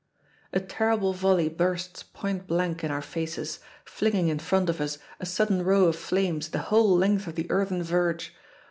A terrible volley bursts point blank in our faces, flinging in front of us a sudden row of flames the whole length of the earthen verge.